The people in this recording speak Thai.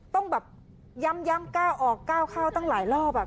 ต้องแบบย้ำก้าวออกก้าวเข้าตั้งหลายรอบ